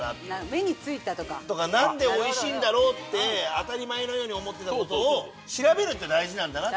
目についたとか。とか何でおいしいんだろうって当たり前のように思ったことを調べるって大事なんだなって。